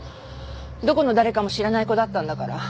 どこの誰かも知らない子だったんだから。